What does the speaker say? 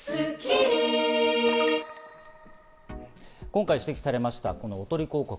今回指摘されました、このおとり広告。